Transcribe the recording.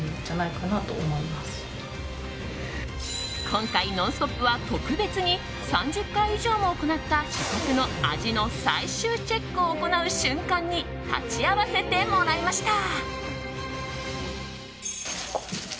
今回、「ノンストップ！」は特別に３０回以上も行った試作の味の最終チェックを行う瞬間に立ち会わせてもらいました。